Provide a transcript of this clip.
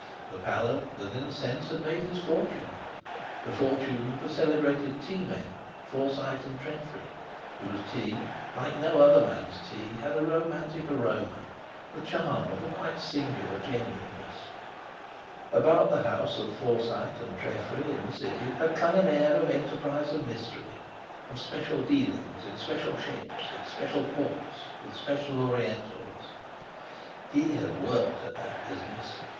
The palate that in a sense had made his fortune—the fortune of the celebrated tea men, Forsyte and Treffry, whose tea, like no other man's tea, had a romantic aroma, the charm of a quite singular genuineness. About the house of Forsyte and Treffry in the City had clung an air of enterprise and mystery, of special dealings in special ships, at special ports, with special Orientals. He had worked at that business!